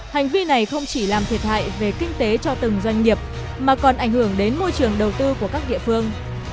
hành vi này không chỉ làm thiệt hại về kinh tế cho từng doanh nghiệp mà còn ảnh hưởng đến môi trường đầu tư của các địa phương